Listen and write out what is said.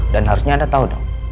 dan harusnya anda tahu dong